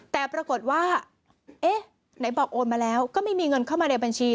แต่ปรากฏว่าเอ๊ะไหนบอกโอนมาแล้วก็ไม่มีเงินเข้ามาในบัญชี